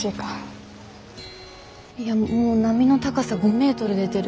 いやもう波の高さ５メートル出てる。